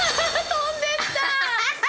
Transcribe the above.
飛んでった。